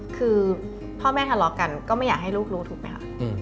คือพ่อแม่ทะเลาะกันก็ไม่อยากให้ลูกรู้ถูกไหมคะ